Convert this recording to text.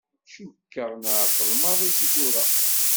Cukkeɣ nεeṭṭel maḍi seg tura.